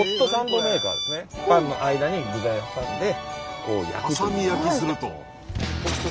パンの間に具材を挟んで焼くという。